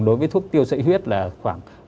đối với thuốc tiêu sợi huyết là khoảng